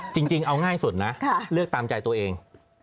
จริงเอาง่ายสุดนะเลือกตามใจตัวเอง